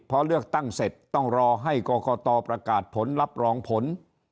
พอเลือกตั้งเสร็จต้องรอให้กรกตประกาศผลรับรองผล